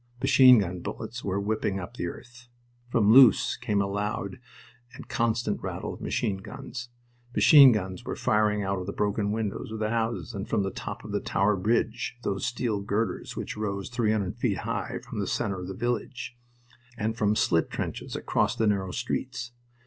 Machine gun bullets were whipping up the earth. From Loos came a loud and constant rattle of machine guns. Machine guns were firing out of the broken windows of the houses and from the top of the "Tower Bridge," those steel girders which rose three hundred feet high from the center of the village, and from slit trenches across the narrow streets.